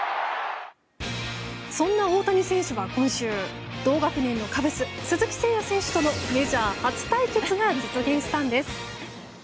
そんな大谷選手は今週同学年のカブス鈴木誠也選手とのメジャー初対決が実現したんです。